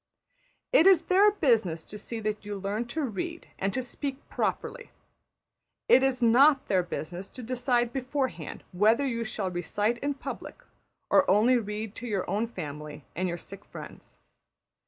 It is their business to see that you learn to read and to speak properly; it is not their business to decide beforehand whether you shall recite in public or only read to your own family and your sick friends.